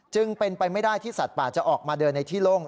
จึงเป็นไปไม่ได้ที่สัตว์ป่าจะออกมาเดินในที่โล่ง